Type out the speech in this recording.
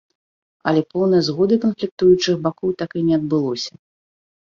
Але поўнай згоды канфліктуючых бакоў так і не адбылося.